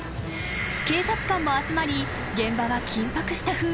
［警察官も集まり現場は］